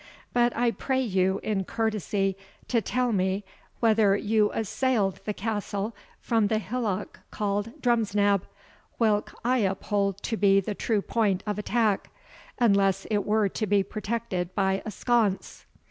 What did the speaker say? But I pray you in courtesy to tell me, whether you assailed the castle from the hillock called Drumsnab, whilk I uphold to be the true point of attack, unless it were to be protected by a sconce."